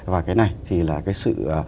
và cái này thì là cái sự